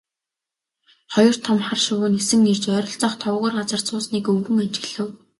Хоёр том хар шувуу нисэн ирж ойролцоох товгор газарт суусныг өвгөн ажиглав.